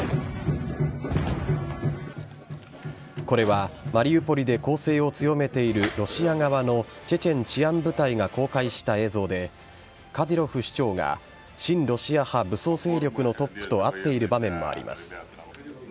これはマリウポリで攻勢を強めているロシア側のチェチェン治安部隊が公開した映像で、カディロフ首長が、親ロシア派武装勢力のトップと会っている場面もあります。